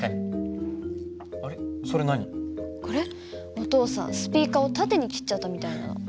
お父さんスピーカーを縦に切っちゃったみたいなの。